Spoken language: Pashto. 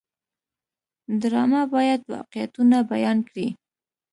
ډرامه باید واقعیتونه بیان کړي